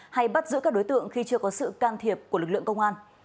hay bắt giữ các đối tượng khi chưa có sự can thiệp của lực lượng công an